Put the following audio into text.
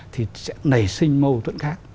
thì sẽ nảy sinh mâu thuẫn khác